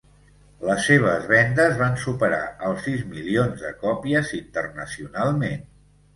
Les seves vendes van superar els sis milions de còpies internacionalment.